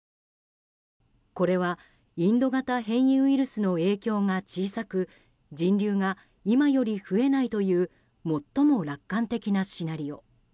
これは、インド型変異ウイルスの影響が小さく人流が今より増えないという最も楽観的なシナリオ。